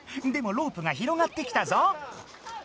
でもロープが広がってきたぞ！